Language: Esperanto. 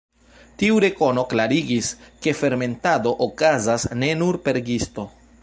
Tiu rekono klarigis, ke fermentado okazas ne nur per gisto.